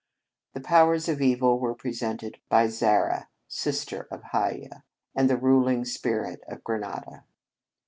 The powers of evil were represented by Zara, sister of Hiaya, and the ruling spirit of Granada.